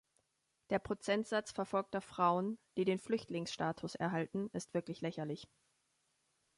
Der Prozentsatz verfolgter Frauen, die den Flüchtlingsstatus erhalten, ist wirklich lächerlich.